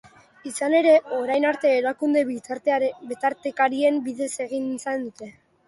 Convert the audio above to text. Izan ere, orain arte, erakunde bitartekarien bidez egin izan dute.